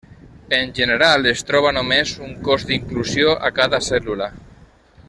En general es troba només un cos d'inclusió a cada cèl·lula.